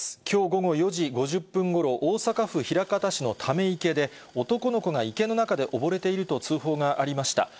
きょう午後４時５０分ごろ、大阪府枚方市のため池で、男の子が池の中でおぼれていると通報がありました。